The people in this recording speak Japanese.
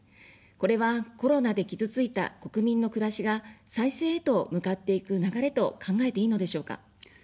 これは、コロナで傷ついた国民の暮らしが再生へと向かっていく流れと考えていいのでしょうか。